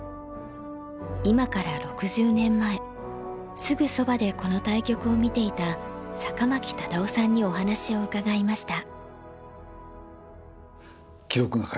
今から６０年前すぐそばでこの対局を見ていた酒巻忠雄さんにお話を伺いました。